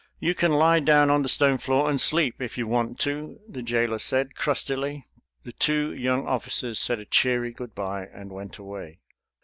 "You can lie down on the stone floor and sleep if you want to," the jailer said, crustily. The two young officers said a cheery good by and went away.